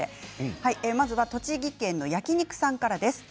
まずは栃木県の焼肉さんからです。